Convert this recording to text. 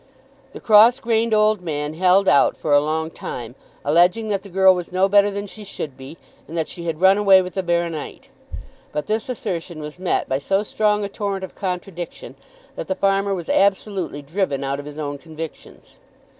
The cross grained old man held out for a long time, alleging that the girl was no better than she should be, and that she had run away with the baronite. But this assertion was met by so strong a torrent of contradiction, that the farmer was absolutely driven out of his own convictions.